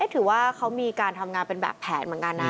ถือว่าเขามีการทำงานเป็นแบบแผนเหมือนกันนะ